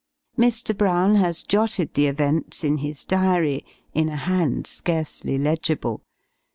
Mr. Brown has jotted the events, in his Diary, in a hand scarcely legible.